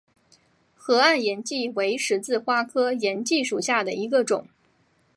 河岸岩荠为十字花科岩荠属下的一个种。